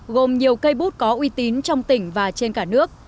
gồm nhiều cây bút có uy tín trong tỉnh và trên cả nước